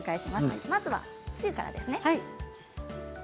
まずは、つゆからですね。